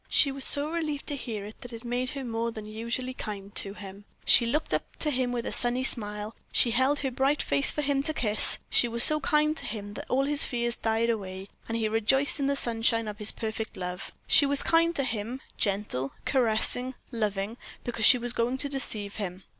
She was so relieved to hear it that it made her more than usually kind to him. She looked up to him with a sunny smile; she held her bright face for him to kiss; she was so kind to him that all his fears died away, and he rejoiced in the sunshine of his perfect love. She was kind to him, gentle, caressing, loving, because she was going to deceive him.